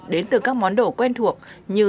đến từ các món đồ quen thuộc như